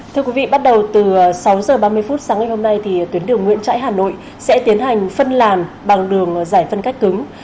thưa quý vị bắt đầu từ sáu h ba mươi phút sáng ngày hôm nay thì tuyến đường nguyễn trãi hà nội sẽ tiến hành phân làn bằng đường giải phân cách cứng